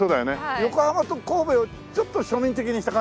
横浜と神戸をちょっと庶民的にした感じかな？